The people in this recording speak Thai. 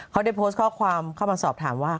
เขาได้โพสต์ข้อความเข้ามาสอบถามว่า